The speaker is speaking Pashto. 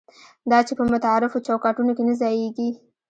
دا چې په متعارفو چوکاټونو کې نه ځایېږي.